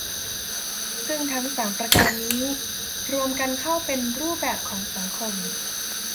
ซึ่งทั้งสามประการนี้ รวมกันเข้าเป็นรูปแบบของสังคม